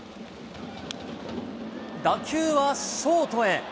打球はショートへ。